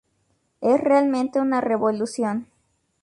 Es realmente una revolución.